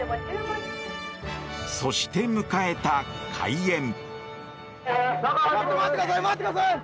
そして迎えた開園。